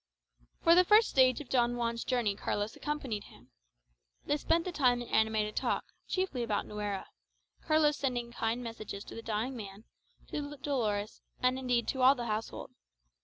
For the first stage of Don Juan's journey Carlos accompanied him. They spent the time in animated talk, chiefly about Nuera, Carlos sending kind messages to the dying man, to Dolores, and indeed to all the household.